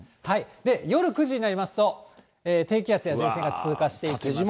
で、夜９時になりますと、低気圧や前線が通過しまして。